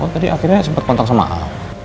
oh tadi akhirnya sempet kontak sama al